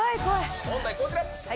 お題こちら。